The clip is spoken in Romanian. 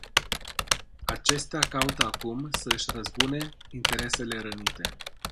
Acestea caută acum să își răzbune interesele rănite.